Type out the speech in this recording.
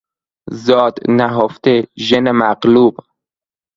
زاد نهفته، ژن مغلوب